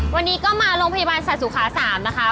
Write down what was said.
วันนี้ก็มาโรงพยาบาลสัตว์สุขา๓นะคะ